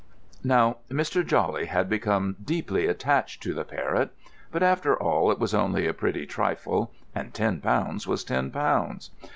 Now Mr. Jawley had become deeply attached to the parrot. But after all, it was only a pretty trifle, and ten pounds was ten pounds.